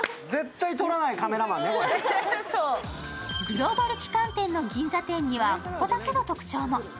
グローバル旗艦店の銀座店には、ここだけの特徴も。